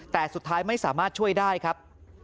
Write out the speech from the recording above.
แต่สุดท้ายไม่สามารถช่วยได้ครับ